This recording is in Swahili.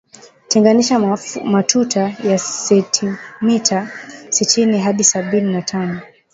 Tenganisha matuta kwa sentimita sitini hadi sabini na tano